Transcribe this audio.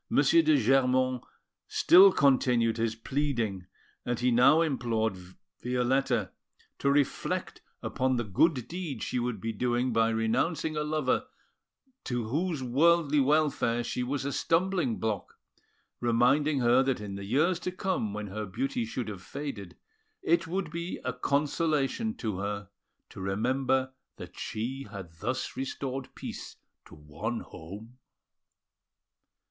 de Germont still continued his pleading; and he now implored Violetta to reflect upon the good deed she would be doing by renouncing a lover to whose worldly welfare she was a stumbling block, reminding her that in the years to come, when her beauty should have faded, it would be a consolation to her to remember that she had thus restored peace to one home.